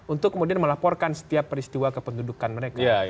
untuk kemudian melaporkan setiap peristiwa kependudukan mereka